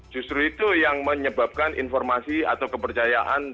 justru itu yang menyebabkan informasi atau kepercayaan